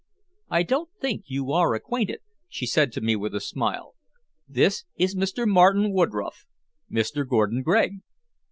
"I don't think you are acquainted," she said to me with a smile. "This is Mr. Martin Woodroffe Mr. Gordon Gregg."